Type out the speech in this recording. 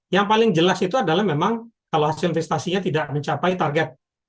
yang paling jelas itu adalah memang kalau hasil investasinya tidak mencapai target